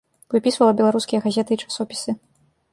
Выпісвала беларускія газеты і часопісы.